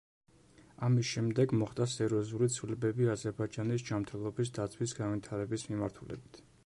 ამის შემდეგ მოხდა სერიოზული ცვლილებები აზერბაიჯანში ჯანმრთელობის დაცვის განვითარების მიმართულებით.